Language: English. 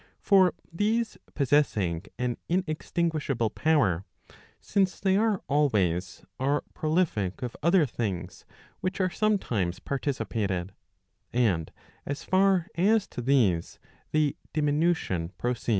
For these possessing an inextinguishable power, since they are always, are prolific of other things which are sometimes participated, and as faf as to these the dim}* nution proceeds.